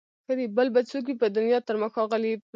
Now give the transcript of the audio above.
بل به څوک وي پر دنیا تر ما ښاغلی